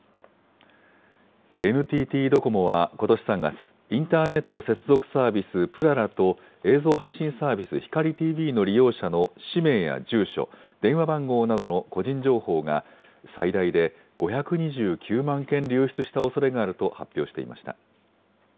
ＮＴＴドコモはことし３月、インターネット接続サービス、ぷららと、映像配信サービス、ひかりＴＶの利用者の氏名や住所、電話番号などの個人情報が、最大で５２９万件流出したおそれがあると発表していました。